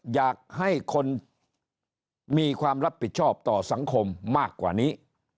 อยากให้คนมีความรับผิดชอบต่อสังคมมากกว่านี้